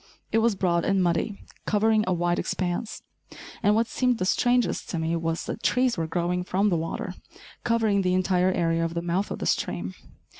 It was broad and muddy, covering a wide expanse, and what seemed the strangest to me was that trees were growing from the water, covering the entire area of the mouth of the stream.